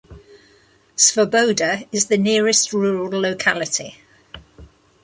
Svoboda is the nearest rural locality.